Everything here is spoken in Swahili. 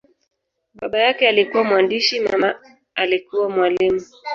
Baba yake alikuwa mwandishi, mama alikuwa mwalimu.